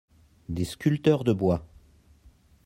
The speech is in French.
des sculpteurs de bois.